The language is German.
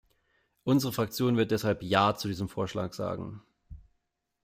Unsere Fraktion wird deshalb Ja zu diesem Vorschlag sagen.